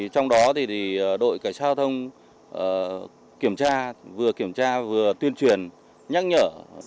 trong đó thì đội cảnh giao thông kiểm tra vừa kiểm tra vừa tuyên truyền nhắc nhở